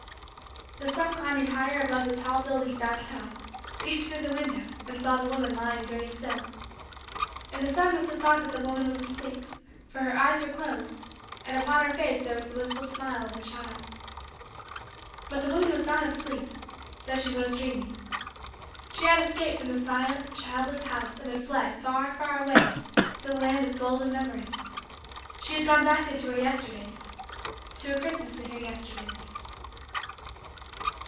The sun, climbing higher above the tall buildings down town, peeped through the window and saw the woman lying very still. And the sun must have thought that the woman was asleep for her eyes were closed and upon her face there was the wistful smile of a child. But the woman was not asleep though she was dreaming. She had escaped from the silent, childless, house and had fled far, far, away to a land of golden memories. She had gone back into her Yesterdays to a Christmas in her Yesterdays.